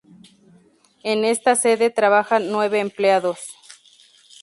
En esta sede trabajan nueve empleados.